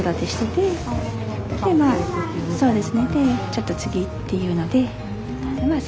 でまあそうですねちょっと次っていうので。